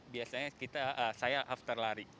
biasanya saya after lari